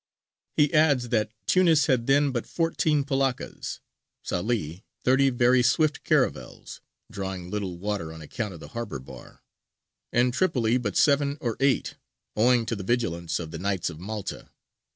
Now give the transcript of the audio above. He adds that Tunis had then but fourteen polaccas; Salē thirty very swift caravels, drawing little water on account of the harbour bar; and Tripoli but seven or eight, owing to the vigilance of the Knights of Malta.